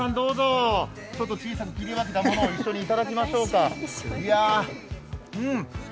ちょっと小さく切ったものを一緒にいただきましょうか。